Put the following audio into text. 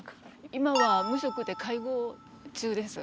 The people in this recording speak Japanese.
今は無職で介護中です。